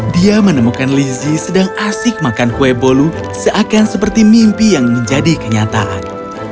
dia menemukan lizzie sedang asik makan kue bolu seakan seperti mimpi yang menjadi kenyataan